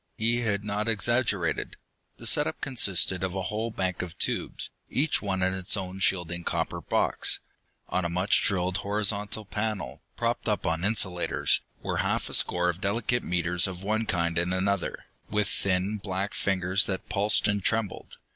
He had not exaggerated. The set up consisted of a whole bank of tubes, each one in its own shielding copper box. On a much drilled horizontal panel, propped up on insulators, were half a score of delicate meters of one kind and another, with thin black fingers that pulsed and trembled.